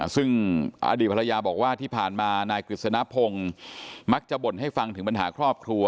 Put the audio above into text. ซึ่งอดีตภรรยาบอกว่าที่ผ่านมานายกฤษณพงศ์มักจะบ่นให้ฟังถึงปัญหาครอบครัว